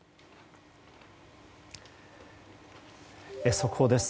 速報です。